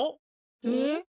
えっ？